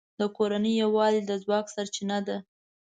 د کورنۍ یووالی د ځواک سرچینه ده.